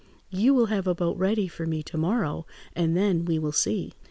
You will have a boat ready for me to morrow, and then we will see."